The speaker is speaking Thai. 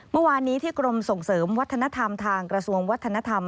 เมื่อวานนี้ที่กรมส่งเสริมวัฒนธรรมทางกระทรวงวัฒนธรรม